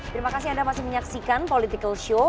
terima kasih anda masih menyaksikan political show